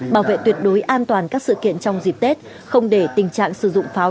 bảo vệ tuyệt đối an toàn các sự kiện trong dịp tết không để tình trạng sử dụng pháo